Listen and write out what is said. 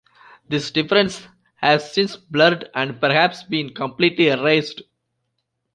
This difference has since blurred and perhaps been completely erased.